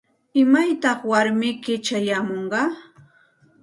¿Imaytaq warmiyki chayamunqa?